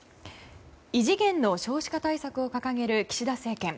異次元の少子化対策を掲げる岸田政権。